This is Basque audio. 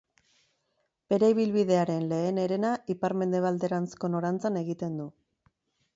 Bere ibilbidearen lehen herena ipar-mendebalderanzko norantzan egiten du.